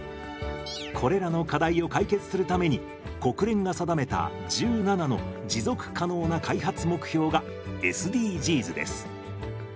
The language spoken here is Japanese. これらの課題を解決するために国連が定めた１７の持続可能な開発目標がＳＤＧｓです。